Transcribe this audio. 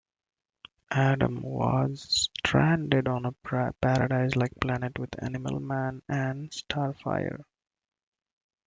Adam was stranded on a paradise-like planet with Animal Man and Starfire.